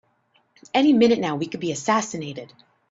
Any minute now we could be assassinated!